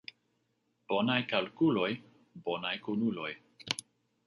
Bonaj kalkuloj, bonaj kunuloj.